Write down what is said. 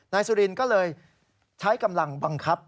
นายสุรินก็เลยใช้กำลังบังคับ